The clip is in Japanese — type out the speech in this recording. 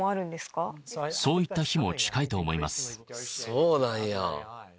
そうなんや！